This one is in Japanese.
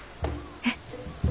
えっ？